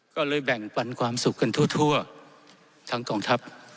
ก็เลยแบ่งปันความสุขกันทั่วทั้งกองทัพ